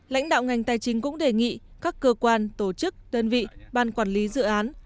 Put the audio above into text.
bộ tài chính cũng đề nghị các cơ quan tổ chức đơn vị ban quản lý dự án